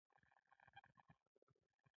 سوشیالیزم ټولې شتمنۍ ګډ ملکیت ګڼي.